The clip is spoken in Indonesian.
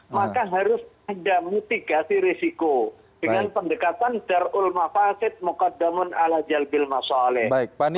maka harus ada mitigasi risiko dengan pendekatan darul mafasid mukaddamun ala jalbil masoleh